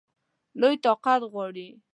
لوی طاقت غواړي.